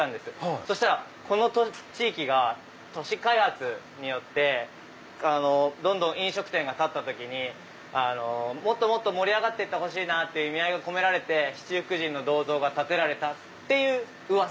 そしたらこの地域が都市開発によってどんどん飲食店が立った時にもっともっと盛り上がってほしいっていう意味合いが込められて七福神の銅像が建てられたって噂。